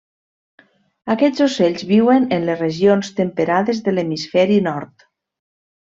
Aquests ocells viuen a les regions temperades de l'hemisferi nord.